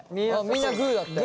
みんなグーだって。